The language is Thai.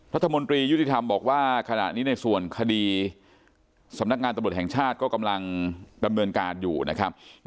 รัฐมนตรียุติธรรมบอกว่าขณะนี้ในส่วนคดีสำนักงานตำรวจแห่งชาติก็กำลังดำเนินการอยู่นะครับ